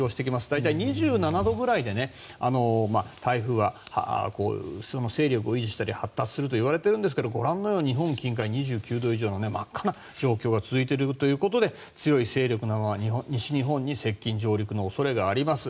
大体２７度ぐらいで台風は勢力を維持したり発達するといわれているんですけれども日本近海は２９度以上の真っ赤な状況が続いているということで強い勢力のまま西日本に接近・上陸の恐れがあります。